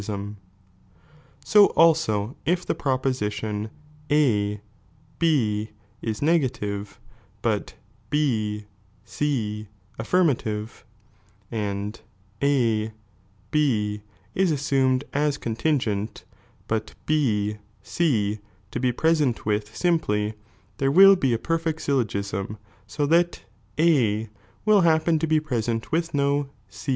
g'sm So also if the proposition A B is negative, 1 hut B C affirmative, and A B is assumed as con tingent, but B C to be present with (simply), there will be a perfect syllogism, so thai A will happen to be present with noC.